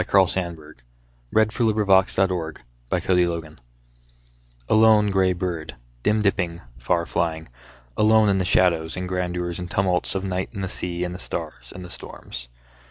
Carl Sandburg OTHER DAYS FROM THE SHORE A LONE gray bird, Dim dipping, far flying, Alone in the shadows and grandeurs and tumults Of night and the sea And the stars and storms.